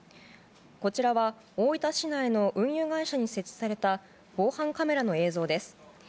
こちらは大分市内の運輸会社に設置された防犯カメラの映像です。